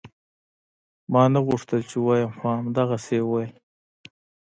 ما نه غوښتل چې ووايم خو همدغسې يې وويل.